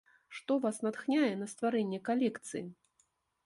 Што вас натхняе на стварэнне калекцыі?